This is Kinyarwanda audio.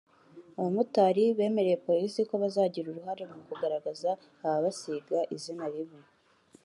Abamotari bemereye Polisi ko bazagira uruhare mu kugaragaza ababasiga izina ribi